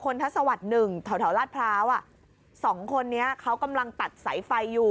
มันกลับมาที่สุดท้ายแล้วมันกลับมาที่สุดท้ายแล้ว